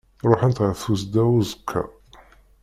Ruḥen-t ɣer tusda uẓekka.